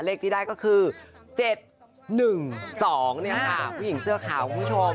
เลขที่ได้ก็คือ๗๑๒เนี่ยค่ะผู้หญิงเสื้อขาวคุณผู้ชม